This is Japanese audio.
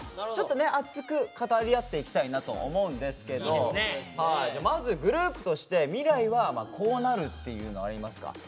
ちょっとね熱く語り合っていきたいなと思うんですけどまずグループとして未来はこうなるっていうのありますか？